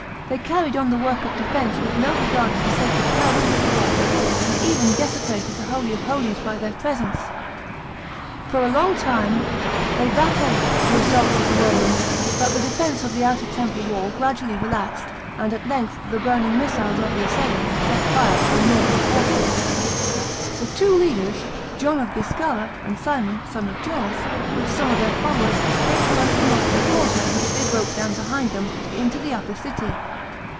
They carried on the work of defence with no regard to the sacred character of the place, and even desecrated the Holy of Holies by their presence. For a long time they baffled the assaults of the Romans; but the defence of the outer temple wall gradually relaxed, and at length the burning missiles of the assailants set fire to the northern portico. The two leaders, John of Giscala, and Simon, son of Gioras, with some of their followers, escaped by the connecting causeway which they broke down behind them, into the upper city.